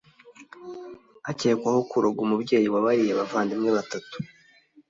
akekwaho kuroga umubyeyi wa bariya bavandimwe batatu